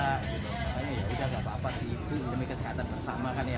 makanya ya udah gak apa apa sih itu demi kesehatan bersama kan ya